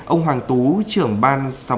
ông hoàng tú trưởng ban sáu mươi một